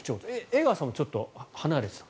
江川さんはちょっと離れてた。